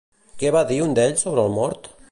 Què va dir un d'ells sobre el mort?